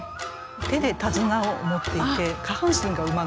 手で手綱を持っていて下半身が馬なんですね。